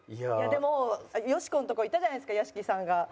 でもよしこのとこいったじゃないですか屋敷さんが。